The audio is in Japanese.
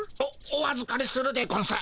おおあずかりするでゴンス。